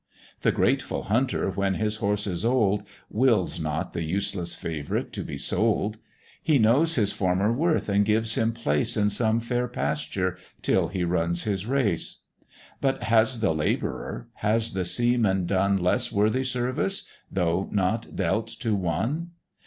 The grateful hunter, when his horse is old, Wills not the useless favourite to be sold; He knows his former worth, and gives him place In some fair pasture, till he runs his race: But has the labourer, has the seaman done Less worthy service, though not dealt to one?